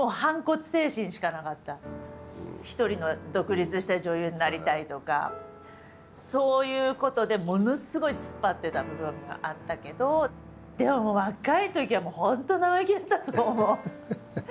一人の独立した女優になりたいとかそういうことでものすごい突っ張ってた部分があったけどでも若いときはもう本当生意気だったと思う。